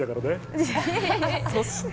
そして。